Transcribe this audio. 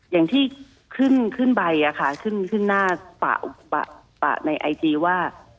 อย่างที่ขึ้นใบอะค่ะขึ้นหน้าในไอจีว่า